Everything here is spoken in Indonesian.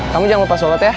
kamu jangan lupa sholat ya